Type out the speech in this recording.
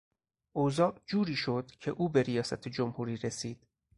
اوضاع جوری شد که او به ریاست جمهوری رسید.